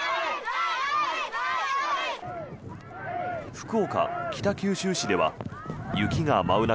福岡・北九州市では雪が舞う中